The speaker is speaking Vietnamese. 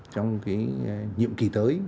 trong nhiệm kỳ tới